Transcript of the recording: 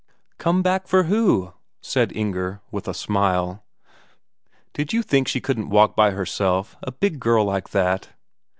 "Come back for who?" asked Inger, with a smile. "Did you think she couldn't walk by herself, a big girl like that?"